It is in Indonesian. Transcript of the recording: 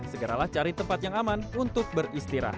segeralah cari tempat yang aman untuk beristirahat